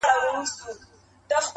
موږ پخپله دی ښکاري ته پر ورکړی -